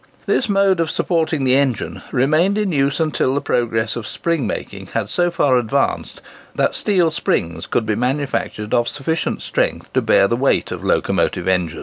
This mode of supporting the engine remained in use until the progress of spring making had so far advanced that steel springs could be manufactured of sufficient strength to bear the weight of locomotive engines.